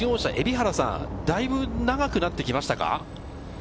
蛯原さん、だいぶ長くなってきましたか？